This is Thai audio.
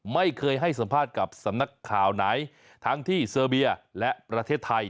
ไม่เคยให้สัมภาษณ์กับสำนักข่าวไหนทั้งที่เซอร์เบียและประเทศไทย